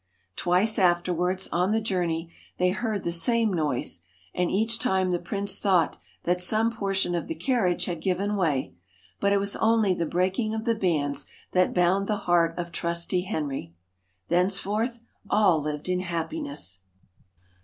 Twice afterwards, on the journey, they heard the same noise, and each time the prince thought that some portion of the carriage had given way ; but it was only the breaking of the bands that bound the heart of trusty Henry. Thenceforth all lived in happiness.